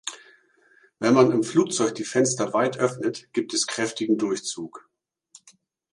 Wenn man im Flugzeug die Fenster weit öffnet, gibt es kräftigen Durchzug.